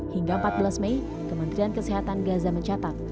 hingga empat belas mei kementerian kesehatan gaza mencatat